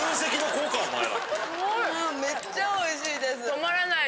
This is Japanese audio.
めっちゃおいしいです。